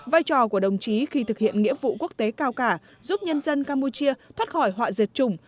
vai trò của đồng chí khi thực hiện nghĩa vụ quốc tế cao cả giúp nhân dân campuchia thoát khỏi họa diệt chủng